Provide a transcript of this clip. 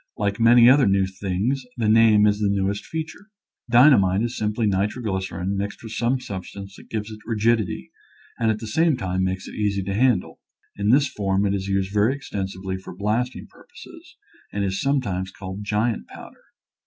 Like many other new things the name is the newest feature. Dynamite is simply nitroglycerin mixed with some substance that gives it rigid ity and at the same time makes it easy to handle. In this form it is used very exten sively for blasting purposes and is sometimes called giant powder.